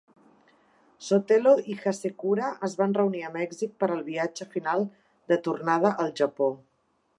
Sotelo i Hasekura es van reunir a Mèxic per al viatge final de tornada al Japó.